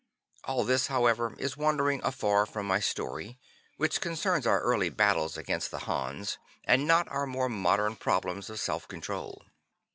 All this, however, is wandering afar from my story, which concerns our early battles against the Hans, and not our more modern problems of self control.